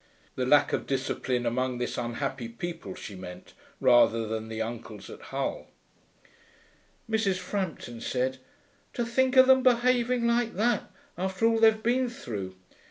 The lack of discipline among this unhappy people, she meant, rather than the uncles at Hull. Mrs. Frampton said, 'To think of them behaving like that, after all they've been through!'